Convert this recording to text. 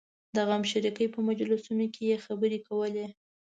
د غمشریکۍ په مجلسونو کې یې خبرې کولې.